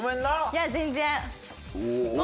いや全然。